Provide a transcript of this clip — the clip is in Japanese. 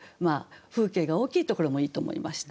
風景が大きいところもいいと思いました。